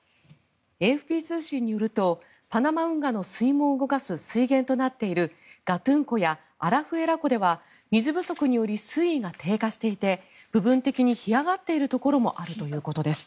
ＡＦＰ通信によるとパナマ運河の水門を動かす水源となっているガトゥン湖やアラフエラ湖では水不足により水位が低下していて部分的に干上がっているところもあるということです。